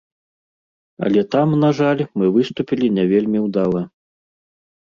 Але там, на жаль, мы выступілі не вельмі ўдала.